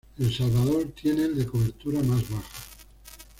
El Salvador tiene el de cobertura más baja.